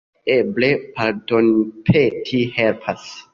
Eble pardonpeti helpas.